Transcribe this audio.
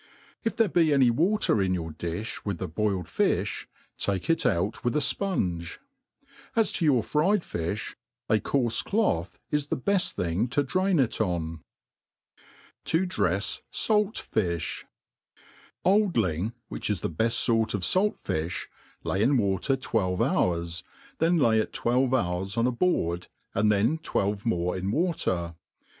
If xhexe be any ^ater in your diih with the boiled fi{b, take it out with a fpunge. As to your fried fiil), ^coarfe cloth i& the h^eft thing to drain it on. a To dnfs Sali'FiJ^. OLD ling, which is the beft fort of falt filh, lay in water \fRt\vz hours, then lay it twelve dours on a boardi, and then fwelve more 'in water.